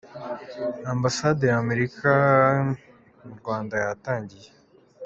Ambasade ya Amerika mu Rwanda yatangiye.